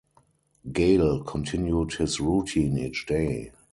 Gale continued his routine each day.